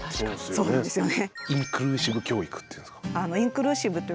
そうなんですね。